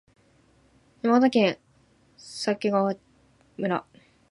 山形県鮭川村